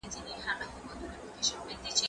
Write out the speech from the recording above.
زه بايد د کتابتون د کار مرسته وکړم،